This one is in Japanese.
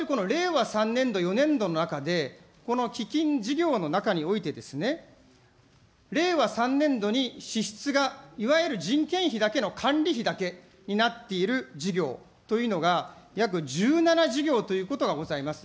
いわゆるこの令和３年度、４年度の中で、この基金事業の中においてですね、令和３年度に支出がいわゆる人件費だけの管理費だけになっている事業というのが、約１７事業ということがございます。